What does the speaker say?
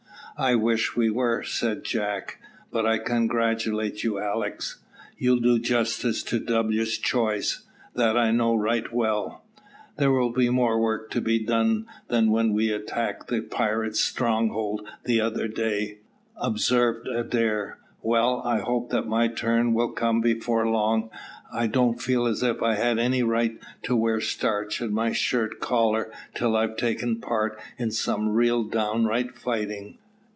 "I wish we were," said Jack. "But I congratulate you, Alick; you'll do justice to W 's choice. That I know right well." "There will be more work to be done than when we attacked the pirate's stronghold the other day," observed Adair. "Well, I hope that my turn will come before long; I don't feel as if I had any right to wear starch in my shirt collar till I've taken part in some real downright fighting."